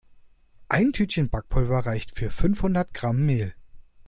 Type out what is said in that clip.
Ein Tütchen Backpulver reicht für fünfhundert Gramm Mehl.